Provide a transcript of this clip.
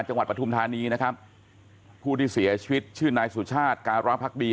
ปฐุมธานีนะครับผู้ที่เสียชีวิตชื่อนายสุชาติการพักดี